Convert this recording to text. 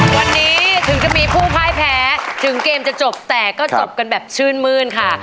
วันนี้ถึงจะมีผู้พ่ายแพ้ถึงเกมจะจบแต่ก็จบกันแบบชื่นมื้นค่ะ